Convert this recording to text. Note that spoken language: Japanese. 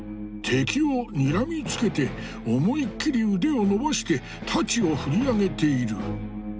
敵をにらみつけて思い切り腕を伸ばして太刀を振り上げている。